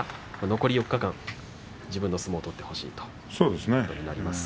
残り４日間自分の相撲を取ってほしいと思います。